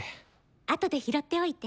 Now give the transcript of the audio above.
あとで拾っておいて。